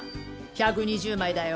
１２０枚だよ。